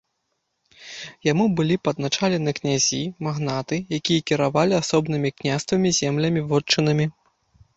Яму былі падначалены князі, магнаты, якія кіравалі асобнымі княствамі, землямі, вотчынамі.